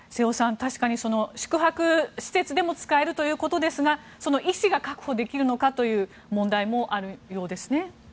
確かに宿泊療養施設でも使えるということですが医師が確保できるのかという問題もあるようです。